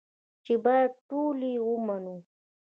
چې بايد ټول يې ومنو.